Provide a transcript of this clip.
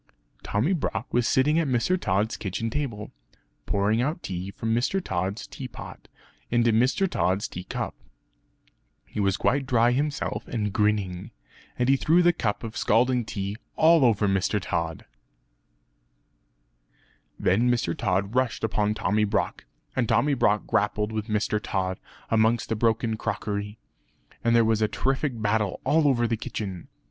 Tommy Brock was sitting at Mr. Tod's kitchen table, pouring out tea from Mr. Tod's tea pot into Mr. Tod's tea cup. He was quite dry himself and grinning; and he threw the cup of scalding tea all over Mr. Tod. Then Mr. Tod rushed upon Tommy Brock, and Tommy Brock grappled with Mr. Tod amongst the broken crockery, and there was a terrific battle all over the kitchen.